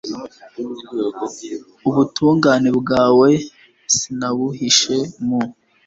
ubutungane bwawe sinabuhishe mu